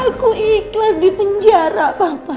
aku ikhlas di penjara papa